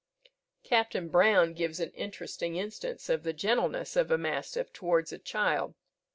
Captain Brown gives an interesting instance of the gentleness of a mastiff towards a child.